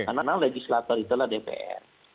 karena legislator itulah dpr